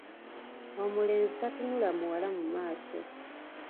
Omulenzi tatunula muwala mu maaso.